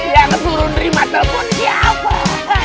dia yang suruh nerima telepon siapa